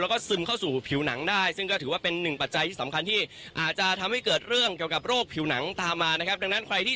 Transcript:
แล้วก็ซึมเข้าสู่ผิวหนังได้ซึ่งก็ถือว่าเป็นหนึ่งปัจจัยที่สำคัญที่อาจจะทำให้เกิดเรื่องเกี่ยวกับโรคผิวหนังตามมานะครับดังนั้นใครที่